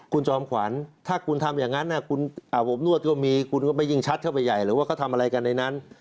คุณจอมขวัญถ้าคุณทำอย่างนั้น